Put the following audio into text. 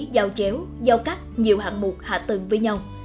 giao chéo giao cắt nhiều hạng mục hạ tầng với nhau